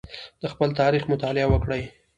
د خپل تاریخ مطالعه وکړئ.